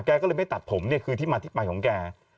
ก็เลยไม่ตัดผมเนี่ยคือที่มาที่ไปของแก